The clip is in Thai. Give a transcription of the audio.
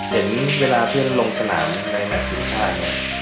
เห็นเวลาเพื่อนลงสนามในแมททีมชาติเนี่ย